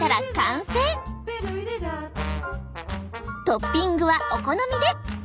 トッピングはお好みで。